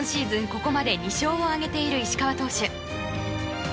ここまで２勝を挙げている石川投手。